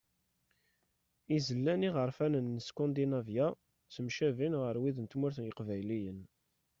Izlan iɣerfanen n Skandinavya ttemcabin ɣer wid n tmurt n yiqbayliyen.